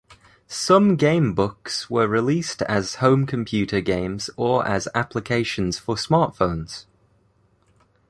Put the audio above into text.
Some gamebooks were released as home computer games or as applications for smartphones.